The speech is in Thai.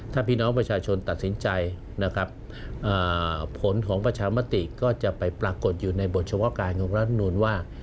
ถ้าพี่น้องประชาชนตัดสินใจนะครับผลของประชามติก็จะไปปรากฏอยู่ในบทเฉพาะการของรัฐมนุนว่า